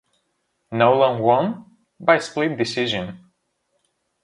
Nolan won by split decision.